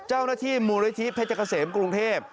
เจ้าหน้าที่มูลนิธิเพชรเกษมกรุงเทพ